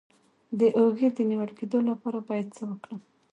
د اوږې د نیول کیدو لپاره باید څه وکړم؟